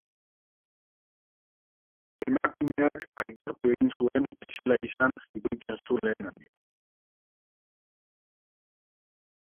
Emakumeak aitortu egin zuen ez zela izan jipoitzen zuen lehen aldia.